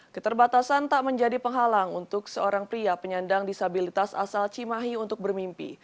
keterbatasan tak menjadi penghalang untuk seorang pria penyandang disabilitas asal cimahi untuk bermimpi